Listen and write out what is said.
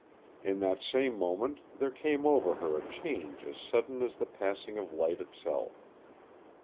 In that same moment there came over her a change as sudden as the passing of light itself.